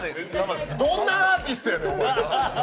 どんなアーティストやねん、お前。